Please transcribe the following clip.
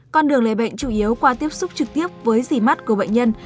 con đường lấy bệnh chủ yếu qua tiếp xúc trực tiếp với dì mắt của bệnh nhân